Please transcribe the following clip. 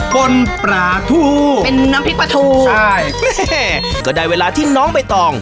คนปลาทูเป็นน้ำพริกปลาทูใช่แม่ก็ได้เวลาที่น้องใบตอง